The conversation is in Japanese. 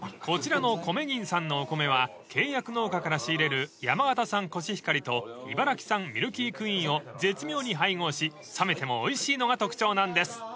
［こちらの米銀さんのお米は契約農家から仕入れる山形産コシヒカリと茨城産ミルキークイーンを絶妙に配合し冷めてもおいしいのが特徴なんです］